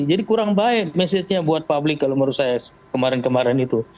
jadi kurang baik mesejnya buat publik kalau menurut saya kemarin kemarin itu